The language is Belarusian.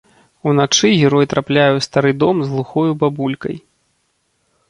Уначы герой трапляе ў стары дом з глухою бабулькай.